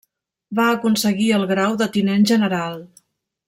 Va aconseguir el grau de tinent general.